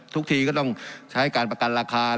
ทุกทีก็ต้องใช้การประกันราคา